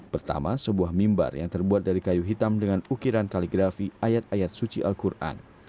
pertama sebuah mimbar yang terbuat dari kayu hitam dengan ukiran kaligrafi ayat ayat suci al quran